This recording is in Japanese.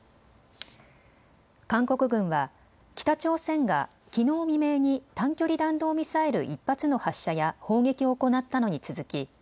韓国軍は北朝鮮がきのう未明に短距離弾道ミサイル１発の発射や砲撃を行ったのに続き